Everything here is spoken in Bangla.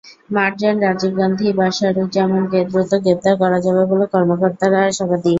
মারজান, রাজীব গান্ধী, বাশারুজ্জামানকে দ্রুত গ্রেপ্তার করা যাবে বলে কর্মকর্তারা আশাবাদী।